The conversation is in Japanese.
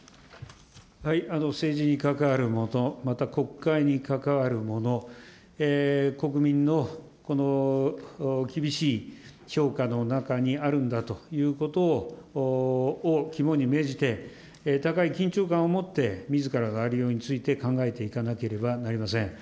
政治に関わるもの、国会に関わるもの、国民の厳しい評価の中にあるんだということを肝に銘じて、高い緊張感を持って、みずからのありようについて考えていかなければなりません。